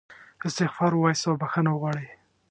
استغفار ووایاست او بخښنه وغواړئ.